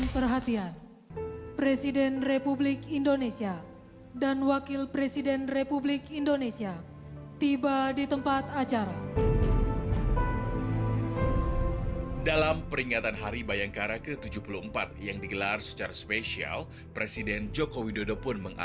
kepolisian negara republik indonesia sebagai bayangkara negara